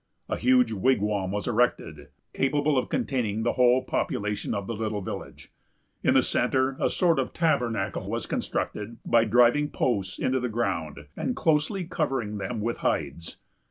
A huge wigwam was erected, capable of containing the whole population of the little village. In the centre, a sort of tabernacle was constructed by driving posts into the ground, and closely covering them with hides.